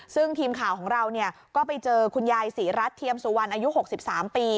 ซึ่งทีมข่าวของเราก็ไปเจอคุณยายศรีรัฐเทียมสุวรรณอายุ๖๓ปี